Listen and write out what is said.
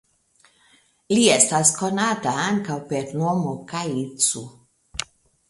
Li estas konata ankaŭ per nomo "Kaitsu".